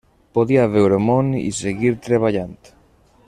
Podia veure món i seguir treballant.